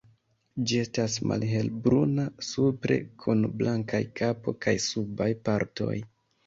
Ĝi estas malhelbruna supre kun blankaj kapo kaj subaj partoj.